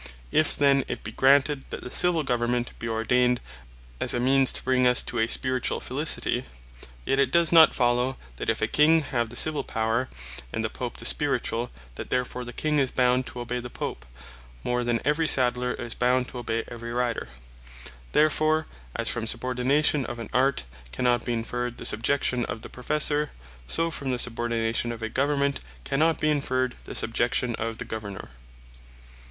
If then it be granted, that the Civill Government be ordained as a means to bring us to a Spirituall felicity; yet it does not follow, that if a King have the Civill Power, and the Pope the Spirituall, that therefore the King is bound to obey the Pope, more then every Sadler is bound to obey every Rider. Therefore as from Subordination of an Art, cannot be inferred the Subjection of the Professor; so from the Subordination of a Government, cannot be inferred the Subjection of the Governor.